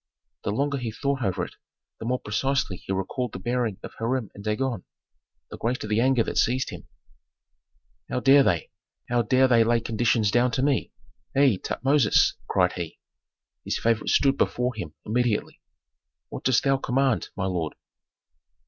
The longer he thought over it the more precisely he recalled the bearing of Hiram and Dagon, the greater the anger that seized him, "How dare they how dare they lay conditions down to me? Hei, Tutmosis!" cried he. His favorite stood before him immediately. "What dost thou command, my lord?"